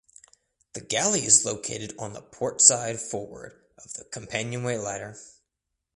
The galley is located on the port side forward of the companionway ladder.